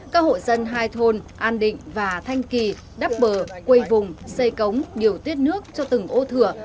các hộ dân hai thôn an định và thanh kỳ đắp bờ quây vùng xây cống điều tiết nước cho từng ô thừa